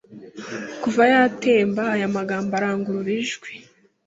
Kuva yatemba aya magambo arangurura ijwi